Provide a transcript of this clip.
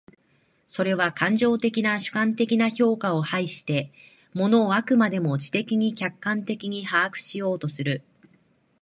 それは感情的な主観的な評価を排して、物を飽くまでも知的に客観的に把握しようとする。